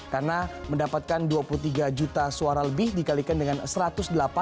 karena mendapatkan dua puluh tiga juta suara lebih dikalikan dengan rp satu ratus delapan